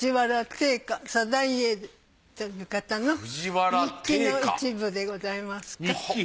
定家という方の日記の一部でございますか。